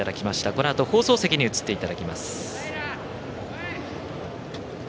このあと放送席に移っていただきます。